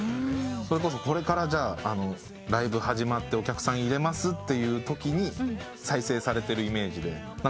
それこそこれからライブ始まってお客さん入れますってときに再生されてるイメージで。